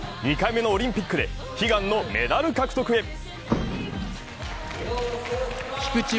２回目のオリンピックで悲願のメダル獲得へ。